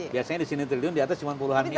biasanya disini triliun di atas cuma puluhan mil ya